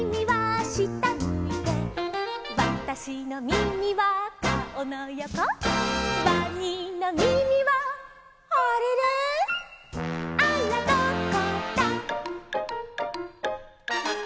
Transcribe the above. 「わたしのみみは顔のよこ」「わにのみみはあれれ」「あらどこだ」